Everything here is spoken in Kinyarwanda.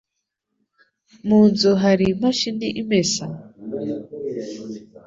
Mu nzu hari imashini imesa?